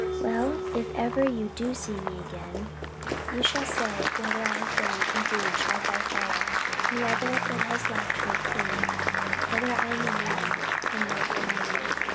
Well, if ever you do see me again you shall say whether I have been, indeed, tried by fire, and whether it has left me clean whether I am a man and not a memory.